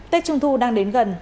tết trung thu đang đến gần